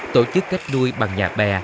tổ chức cách nuôi bằng nhà bè